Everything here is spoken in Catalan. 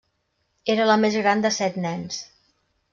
Era la més gran de set nens.